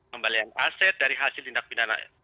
kembalian aset dari hasil tindak pidana